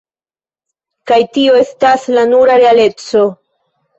Kaj tio, estas la nura realeco.